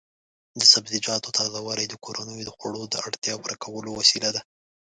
د سبزیجاتو تازه والي د کورنیو د خوړو د اړتیا پوره کولو وسیله ده.